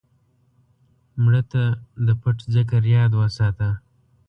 مړه ته د پټ ذکر یاد وساته